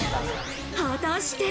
果たして。